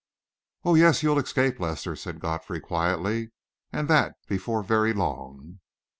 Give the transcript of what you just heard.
"Oh, yes, you'll escape, Lester," said Godfrey, quietly, "and that before very long."